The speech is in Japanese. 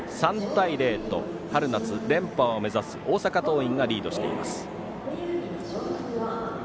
３対０と春夏連覇を目指す大阪桐蔭がリードしています。